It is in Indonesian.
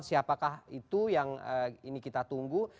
siapakah itu yang ini kita tunggu